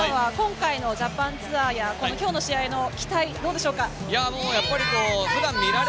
槙野さん、ジャパンツアーや今日の試合の期待はどうでしょうか？